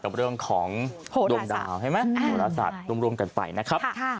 กับเรื่องของโหดาศาสตร์โหดาศาสตร์รวมกันไปนะครับ